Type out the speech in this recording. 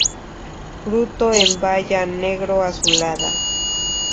Fruto en baya negro-azulada.